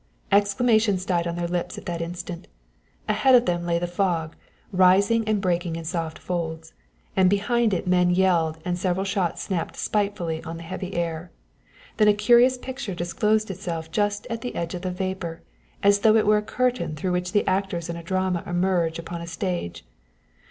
Exclamations died on their lips at the instant. Ahead of them lay the fog, rising and breaking in soft folds, and behind it men yelled and several shots snapped spitefully on the heavy air. Then a curious picture disclosed itself just at the edge of the vapor, as though it were a curtain through which actors in a drama emerged upon a stage.